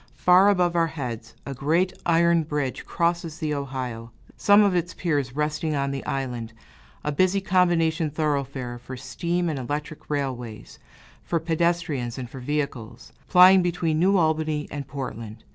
Far above our heads a great iron bridge crosses the Ohio, some of its piers resting on the island, a busy combination thoroughfare for steam and electric railways, for pedestrians and for vehicles, plying between New Albany and Portland.